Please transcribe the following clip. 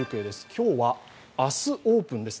今日は明日オープンです。